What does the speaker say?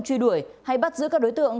truy đuổi hay bắt giữ các đối tượng